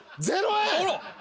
０円。